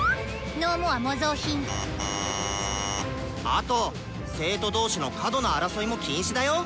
「あと生徒同士の過度な争いも禁止だよ。